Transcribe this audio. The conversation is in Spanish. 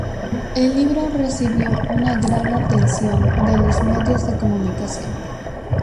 El libro recibió una gran atención de los medios de comunicación.